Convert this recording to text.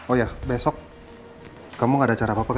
oh ya besok kamu gak ada cara apa apa